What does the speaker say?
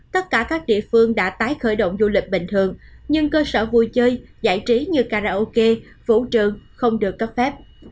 tất cả các địa phương đã tái khởi động du lịch bình thường nhưng cơ sở vui chơi giải trí như karaoke vũ trường không được cấp phép